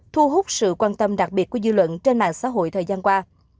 thu hút sự quan tâm đặc biệt của dư luận trên mạng xã hội thời gian qua